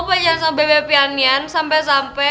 pacaran sama bebe pianian sampe sampe